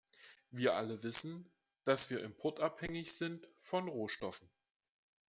Wir alle wissen, dass wir importabhängig sind von Rohstoffen.